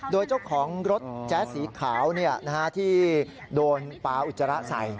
โดยเจ้าของรถแจ๊สสีขาวที่โดนปลาอุจจาระใส่